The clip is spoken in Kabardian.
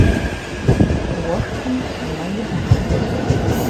Уэшхым мэ иӏэкъым.